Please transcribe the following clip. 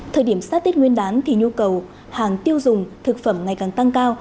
thời điểm sát tết nguyên đán thì nhu cầu hàng tiêu dùng thực phẩm ngày càng tăng cao